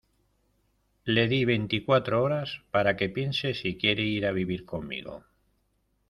le di veinticuatro horas para que piense si quiere ir a vivir conmigo.